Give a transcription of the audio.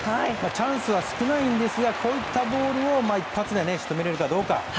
チャンスは少ないんですがこういったボールを一発で仕留められるかどうか。